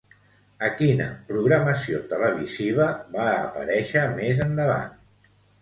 A quina programació televisiva va aparèixer més endavant?